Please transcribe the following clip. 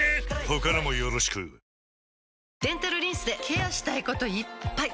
他のもよろしくデンタルリンスでケアしたいこといっぱい！